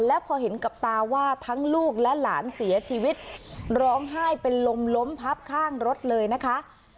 แล้วพอเห็นกับตาว่าทั้งลูกและหลานเสียชีวิตร้องไห้เป็นลมล้มพับข้างรถเลยนะคะ